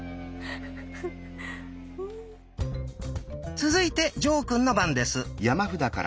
続いて呈くんの番です。